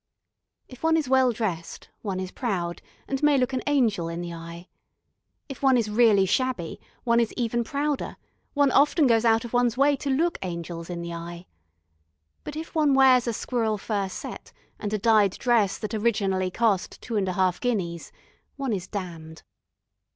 If one is well dressed one is proud, and may look an angel in the eye. If one is really shabby one is even prouder, one often goes out of one's way to look angels in the eye. But if one wears a squirrel fur "set," and a dyed dress that originally cost two and a half guineas, one is damned.